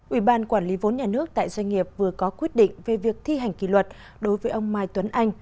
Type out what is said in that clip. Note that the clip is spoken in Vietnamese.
ủy ban quản lý vốn nhà nước tại doanh nghiệp vừa có quyết định về việc thi hành kỷ luật đối với ông mai tuấn anh